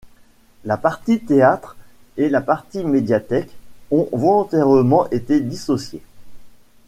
La partie théâtre et la partie médiathèque ont volontairement été dissociées.